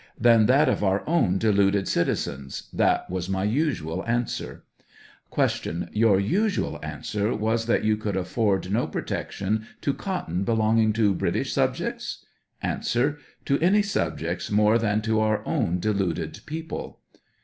Than that of our own deluded citizens; that was my usual answer, Q. Tour usual answer was that you could afford no protection to cotton belonging to British subjects ? A. To any subjects more than to our own deluded people.